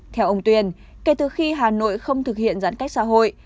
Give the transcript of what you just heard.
theo ông tuyên kể từ khi hà nội không thực hiện giãn cách xã hội